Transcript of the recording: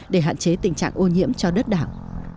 để hạn chế tình trạng ô nhiễm cho đất đảo